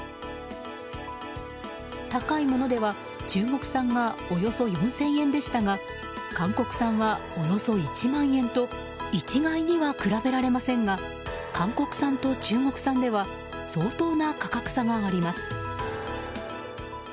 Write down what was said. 高いものでは、中国産がおよそ４０００円でしたが韓国産は、およそ１万円と一概には比べられませんが韓国産と中国産では相当な価格差があります。